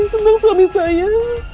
tentang suami saya